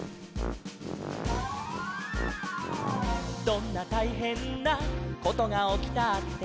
「どんなたいへんなことがおきたって」